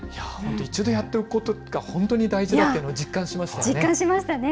うちでやっておくことが本当に大事だということを実感しました。